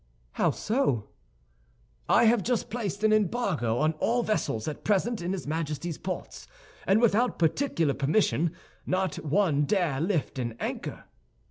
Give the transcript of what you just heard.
"How so?" "I have just placed an embargo on all vessels at present in his Majesty's ports, and without particular permission, not one dare lift an anchor."